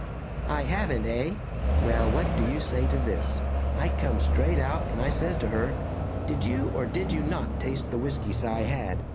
"I haven't, eh? Well, what do you say to this? I come straight out and I says to her, 'Did you or did you not taste the whisky Cy had?'